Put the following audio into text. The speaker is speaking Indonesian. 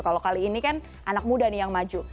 kalau kali ini kan anak muda nih yang maju